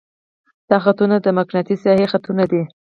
دا خطونه د مقناطیسي ساحې خطونه دي.